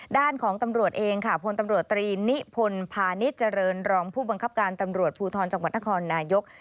ด้านของตำรวจเองค่ะพลตำรวจตรีนิพนธ์พาณิชยเจริญรองผู้บังคับการตำรวจภูทรจังหวัดนครนายก